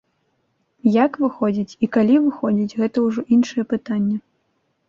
Як выходзіць і калі выходзіць гэта ўжо іншае пытанне.